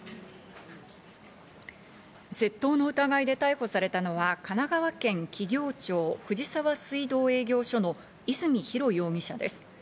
窃盗の疑いで逮捕されたのは、神奈川県企業庁・藤沢水道営業所の和泉比呂容疑者です。